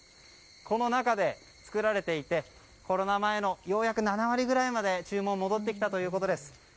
この中で作られていてコロナ前のようやく７割ぐらいまで注文が戻ってきたということです。